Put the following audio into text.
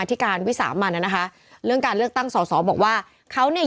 อ่าอ่าอ่าอ่าอ่าอ่าอ่าอ่าอ่า